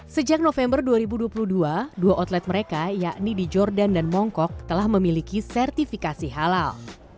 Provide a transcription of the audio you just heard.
sejak november dua ribu dua puluh dua dua outlet mereka yakni di jordan dan mongkok telah memiliki sertifikasi halal